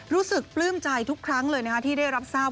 ปลื้มใจทุกครั้งเลยที่ได้รับทราบ